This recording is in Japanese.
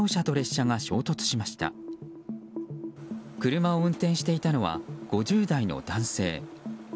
車を運転していたのは５０代の男性。